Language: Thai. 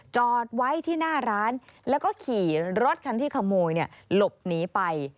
จอดไว้ที่หน้าร้านแล้วก็ขี่รถคันที่ขโมยหลบหนีไป